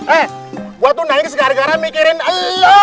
eh gua tuh nangis gara gara mikirin elo